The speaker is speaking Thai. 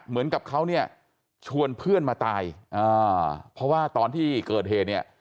เหมือนกับเขาชวนเพื่อนมาตายเพราะว่าตอนที่เกิดเหตุนี้